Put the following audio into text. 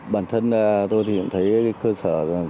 bản thân tôi thấy cơ sở